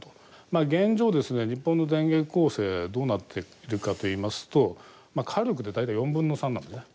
まあ現状ですね日本の電源構成どうなっているかといいますと火力で大体４分の３なんですね。